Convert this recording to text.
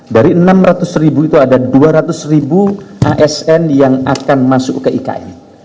dari enam ratus ribu itu ada dua ratus ribu asn yang akan masuk ke iki